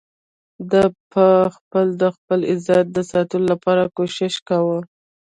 ده په خپله د خپل عزت د ساتلو لپاره کوشش کاوه.